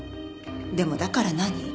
でもだから何？